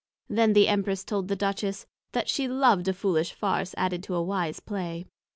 Then the Empress told the Duchess, That she loved a foolish Farse added to a wise Play.